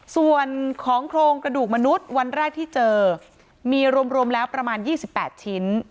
ส่วนของโครงกระดูกมนุษย์วันแรกที่เจอมีรวมแล้วประมาณ๒๘ชิ้น